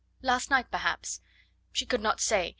Last night, perhaps... she could not say